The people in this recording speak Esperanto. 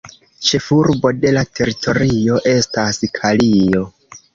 Ĉefurbo de la teritorio estas Kalio.